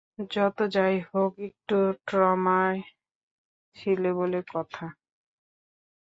যত যাই হোক, একটু ট্রমায় ছিলে বলে কথা।